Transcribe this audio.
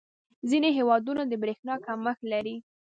• ځینې هېوادونه د برېښنا کمښت لري.